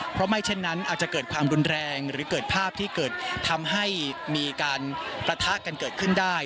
เพราะไม่เช่นนั้นอาจจะเกิดความรุนแรงหรือเกิดภาพที่เกิดทำให้มีการปะทะกันเกิดขึ้นได้